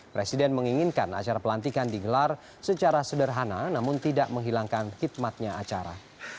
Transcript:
presiden menginginkan acara pelantikan digelar secara sederhana namun tidak menghilangkan khidmatnya acara